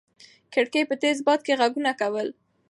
کړکۍ په تېز باد کې غږونه کول.